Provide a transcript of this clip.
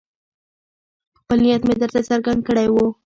خپل نیت مې درته څرګند کړی وو.